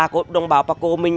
của đồng bào paco mình